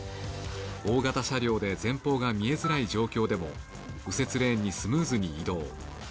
大型車両で前方が見えづらい状況でも右折レーンにスムーズに移動。